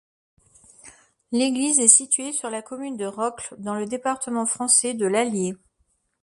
L'église est située sur la commune de Rocles, dans le département français de l'Allier.